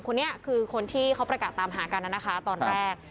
คนนี้คือคนที่เขาประกาศตามหากันนะคะตอนแรก